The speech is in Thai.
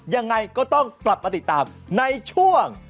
ยังไงก็ต้องกลับมาติดตามในช่วง